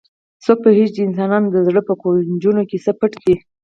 څوک پوهیږي چې د انسان د زړه په کونجونو کې څه پټ دي